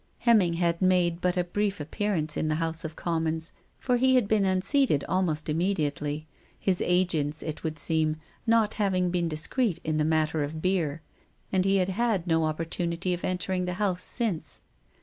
Hemming had made but a brief appearance in the House of Commons, THE WOBLD WAGS OK 289 for he had been unseated almost immediately — his agents, it transpired, having not been discreet in the matter of beer; and he had had no opportunity of entering the House since.